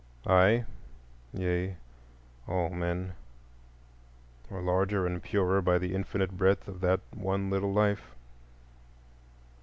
I—yea, all men—are larger and purer by the infinite breadth of that one little life.